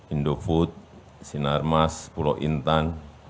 indofood sinarmas pulau intan